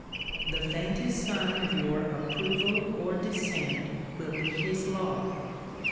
The V y' faintest sign of your approval or dissent will be his law.